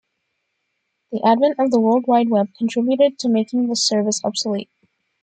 The advent of the World Wide Web contributed to making this service obsolete.